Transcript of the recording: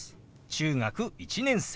「中学１年生」。